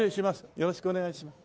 よろしくお願いします。